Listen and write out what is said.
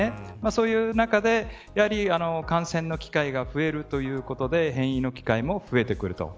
そういう中で感染の機会が増えるということで変異の機会も増えてくると。